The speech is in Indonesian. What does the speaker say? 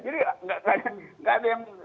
jadi enggak ada yang